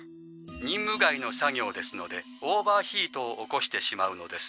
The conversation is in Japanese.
任務外の作業ですのでオーバーヒートを起こしてしまうのです。